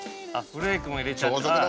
フレークも入れちゃって。